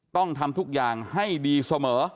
ต้องทำทุกอย่างให้ดีเสมอ